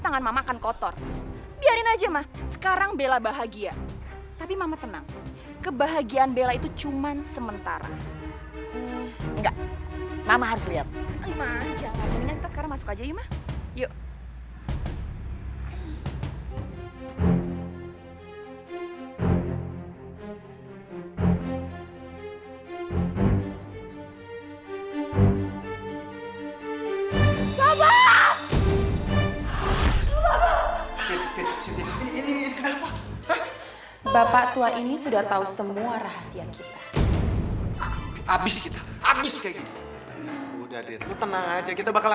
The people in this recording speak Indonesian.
aku yakin sekarang ingatan aku udah mulai kembali